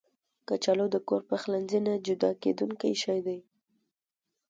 کچالو د کور پخلنځي نه جدا کېدونکی شی دی